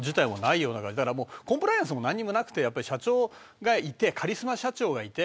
コンプライアンスも何もなくてカリスマ社長がいて。